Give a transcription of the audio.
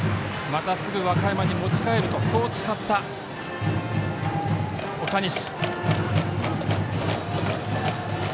またすぐ和歌山に持ち帰るとそう誓った岡西。